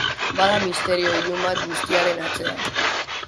Bada misterio ilun bat guztiaren atzean.